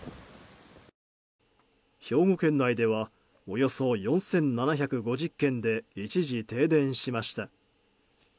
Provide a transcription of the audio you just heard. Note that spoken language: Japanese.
兵庫県内ではおよそ４７５０軒で一時停電しました。